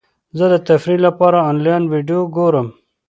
زه د تفریح لپاره انلاین ویډیو ګورم.